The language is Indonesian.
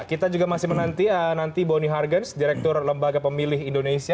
kita juga masih menanti nanti boni hargens direktur lembaga pemilih indonesia